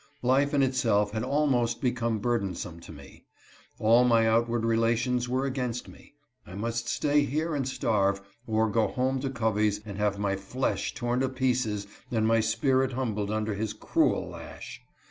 Life in itself had almost become burdensome to me. All my outward relations were against me. I must stay here and starve, or go home to Covey's and have my flesh torn to pieces and my spirit humbled under his cruel lash.